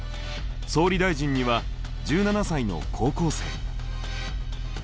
総理大臣には１７才の高校生。